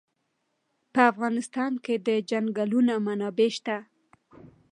په افغانستان کې د چنګلونه منابع شته.